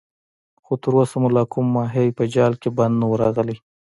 خو تر اوسه مو لا کوم ماهی په جال کې بند نه وو راغلی.